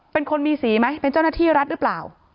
เป็นคนมีสีไหมเป็นเจ้าหน้าที่รัฐหรือเปล่า